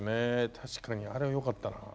確かにあれはよかったな。